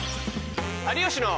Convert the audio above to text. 「有吉の」。